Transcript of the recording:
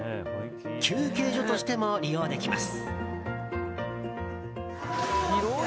休憩所としても利用できます。